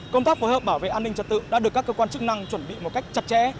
công tác phối hợp bảo vệ an ninh trật tự đã được các cơ quan chức năng chuẩn bị một cách chặt chẽ